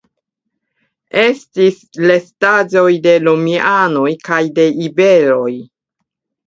Estis restaĵoj de romianoj kaj de iberoj.